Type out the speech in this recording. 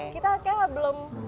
nah kita kayaknya belum